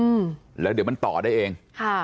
มอร์แล้วเดี๋ยวมันต่อได้เอง